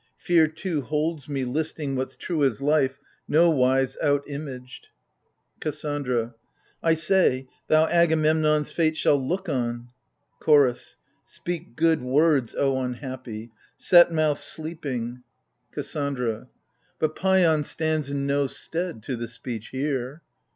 Fear too holds me Listing what's true as life, nowise out imaged ! KASSANDRA. I say, thou Agamemnon's fate shalt look on ! CHORDS. Speak good words, O unhappy ! Set mouth sleeping ! io6 AGAMEMNON. KASSANDRA. But Paian stands in no stead to the speech here.